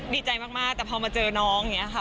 ดีใจมากแต่พอมาเจอน้องอย่างนี้ค่ะ